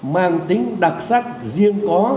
mang tính đặc sắc riêng có